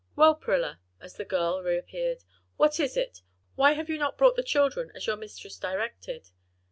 Well, Prilla," as the girl reappeared, "what is it? why have you not brought the children as your mistress directed?"